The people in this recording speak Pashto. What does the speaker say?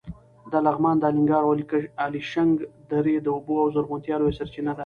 د لغمان د الینګار او الیشنګ درې د اوبو او زرغونتیا لویه سرچینه ده.